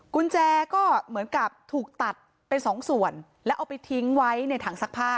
กุญแจก็เหมือนกับถูกตัดเป็นสองส่วนแล้วเอาไปทิ้งไว้ในถังซักผ้า